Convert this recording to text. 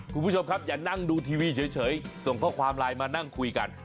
คุณผู้ชมครับอย่านั่งดูทีวีเฉยส่งข้อความไลน์มานั่งคุยกัน